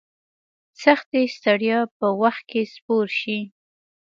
سختي ستړیا په وخت کې سپور شي.